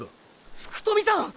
福富さん！